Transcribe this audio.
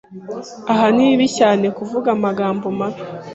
Aha ni bibi cyane kuvuga amagambo mabi